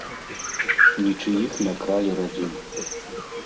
Нічыіх не кралі радзім.